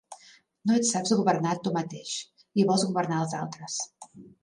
No et saps governar tu mateix i vols governar els altres.